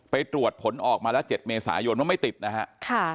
ไปตรวจผลออกมาแล้ว๗เมษายนว่าไม่ติดนะฮะ